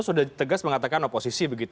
sudah tegas mengatakan oposisi